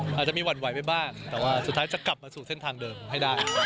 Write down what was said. อาจจะมีหวั่นไหวไปบ้างแต่ว่าสุดท้ายจะกลับมาสู่เส้นทางเดิมให้ได้